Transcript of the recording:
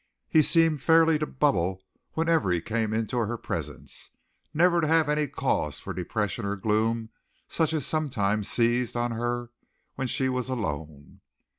He seemed fairly to bubble whenever he came into her presence, never to have any cause for depression or gloom such as sometimes seized on her when she was alone.